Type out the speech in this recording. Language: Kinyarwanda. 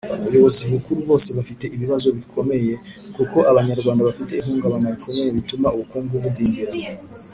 ubuyobozi bukuru bose bafite ibibazo bikomeye kuko abanyarwanda bafite ihungabana rikomeye bituma ubukungu budindira.